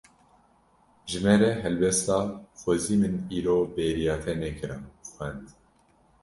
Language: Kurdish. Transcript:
Ji me re helbesta "Xwezî min îro bêriya te nekira" xwend